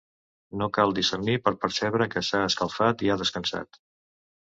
No cal discerniment per percebre que s'ha escalfat i ha descansat.